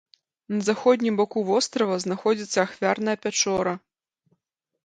На заходнім баку вострава знаходзіцца ахвярная пячора.